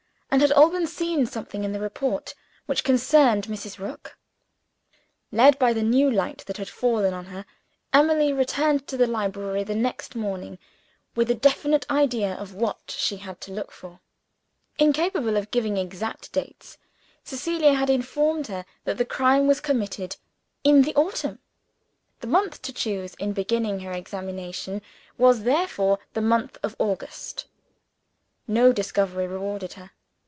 And had Alban seen something in the report, which concerned Mrs. Rook? Led by the new light that had fallen on her, Emily returned to the library the next morning with a definite idea of what she had to look for. Incapable of giving exact dates, Cecilia had informed her that the crime was committed "in the autumn." The month to choose, in beginning her examination, was therefore the month of August. No discovery rewarded her.